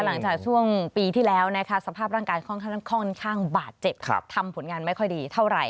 หลังจากช่วงปีที่แล้วนะคะสภาพร่างกายค่อนข้างบาดเจ็บทำผลงานไม่ค่อยดีเท่าไหร่